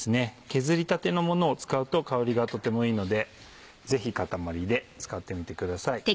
削り立てのものを使うと香りがとてもいいのでぜひ塊で使ってみてください。